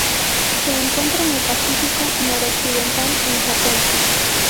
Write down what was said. Se encuentra en el Pacífico noroccidental: en Japón.